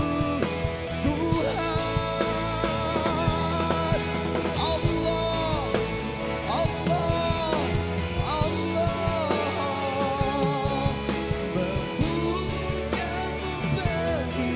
itu suatu peribadi terjadi